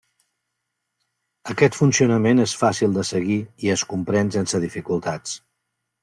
Aquest funcionament és fàcil de seguir, i es comprèn sense dificultats.